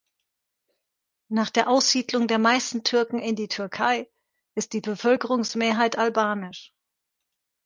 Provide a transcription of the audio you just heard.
Nach der Aussiedlung der meisten Türken in die Türkei, ist die Bevölkerungsmehrheit albanisch.